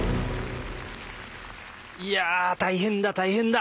いや大変だ大変だ！